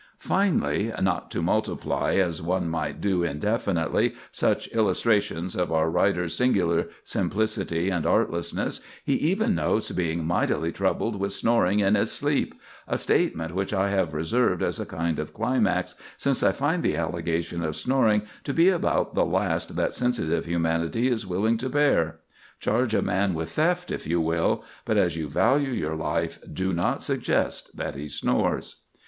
Finally,—not to multiply, as one might do indefinitely, such illustrations of our writer's singular simplicity and artlessness,—he even notes being "mightily troubled" with snoring in his sleep, a statement which I have reserved as a kind of climax, since I find the allegation of snoring to be about the last that sensitive humanity is willing to bear. Charge a man with theft, if you will; but, as you value your life, do not suggest that he snores.